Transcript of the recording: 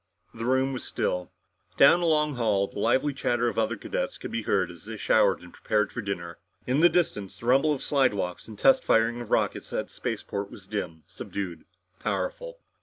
The room was still. Down the long hall, the lively chatter of other cadets could be heard as they showered and prepared for dinner. In the distance, the rumble of the slidewalks and test firing of rockets at the spaceport was dim, subdued, powerful.